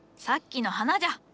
さっきの花じゃ。